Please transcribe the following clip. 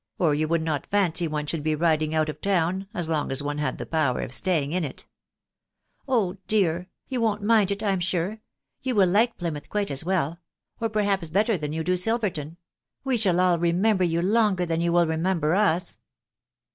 or you would not fancy one should bo riding out of town, as long as one had the power of staying in it !"__■" Oh dear !..•• you wo n't mind it, I'm sure .... you will like Plymouth quite as well .... or perhaps better than you do Silverton :.... we shall all remember yqa longer than you will remember us."